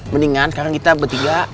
mendingan sekarang kita bertiga